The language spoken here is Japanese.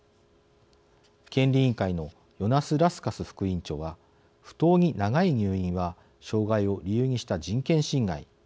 権利委員会のヨナス・ラスカス副委員長は「不当に長い入院は障害を理由にした人権侵害。